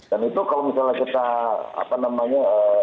dan itu kalau misalnya kita apa namanya